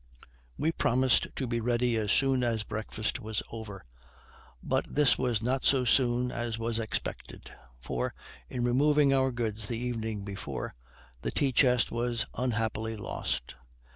We promised to be ready as soon as breakfast was over, but this was not so soon as was expected; for, in removing our goods the evening before, the tea chest was unhappily lost.